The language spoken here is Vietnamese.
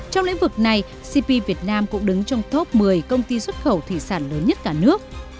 trong lĩnh vực này cp việt nam cũng đứng trong top một mươi công ty xuất khẩu thủy sản lớn nhất cả nước